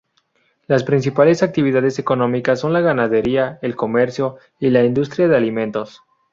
Las principales actividades económicas son la ganadería, el comercio y la industria de alimentos.